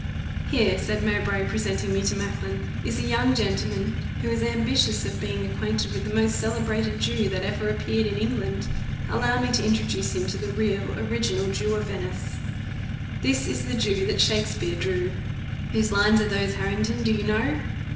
"Here," said Mowbray, presenting me to Macklin, "is a young gentleman, who is ambitious of being acquainted with the most celebrated Jew that ever appeared in England. Allow me to introduce him to the real, original Jew of Venice: 'This is the Jew That Shakspeare drew!' Whose lines are those, Harrington? do you know?"